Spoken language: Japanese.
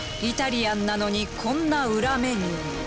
イタリアンなのにこんなウラメニューも。